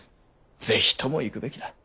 是非とも行くべきだ。